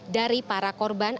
dari para korban